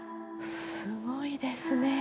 すごいですね。